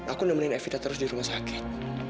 aku nemenin evita terus di rumah sakit